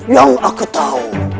yang aku tahu